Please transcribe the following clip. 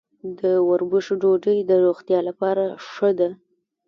د وربشو ډوډۍ د روغتیا لپاره ښه ده.